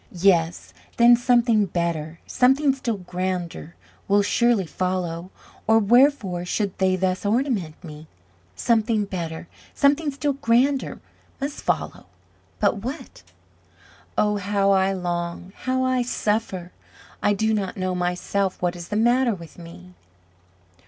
Yes; then something better, something still grander, will surely follow, or wherefore should they thus ornament me? Something better, something still grander, MUST follow but what? Oh, how I long, how I suffer! I do not know myself what is the matter with me!"